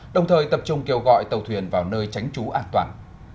đồng thời tập trung kêu gọi tàu thuyền vào nơi tránh trú an toàn